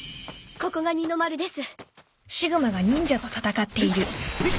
ここが二の丸です。